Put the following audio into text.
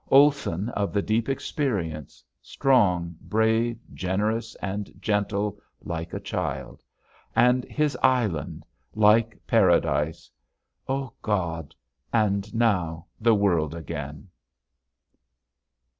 Olson of the deep experience, strong, brave, generous and gentle like a child; and his island like Paradise. Ah God, and now the world again!